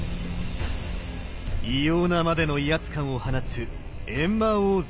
異様なまでの威圧感を放つ閻魔王坐像。